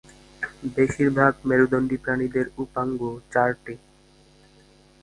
বেশিরভাগ মেরুদণ্ডী প্রাণীদের উপাঙ্গ চারটি।